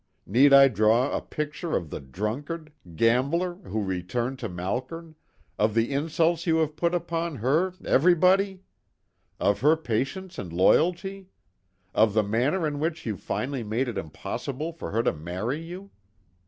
Need I draw a picture of the drunkard, gambler who returned to Malkern, of the insults you have put upon her, everybody? Of her patience and loyalty? Of the manner in which you finally made it impossible for her to marry you?